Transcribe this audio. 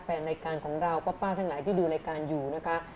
แฟนรายการของเราป้าท่านไหนที่ดูรายการอยู่นะคะ